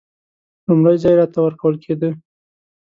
لومړی ځای راته ورکول کېدی.